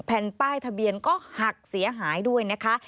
แผ่นป้ายทะเบียนก็หักเสียหายด้วยนะคะ